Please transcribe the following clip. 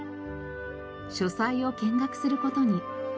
書斎を見学する事に。